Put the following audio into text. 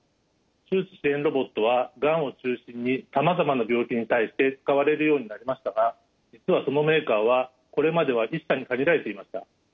手術支援ロボットはがんを中心にさまざまな病気に対して使われるようになりましたが実はそのメーカーはこれまでは一社に限られていました。